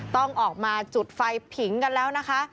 ต้องออกมาจุดไฟผิงกันแล้วนะคะ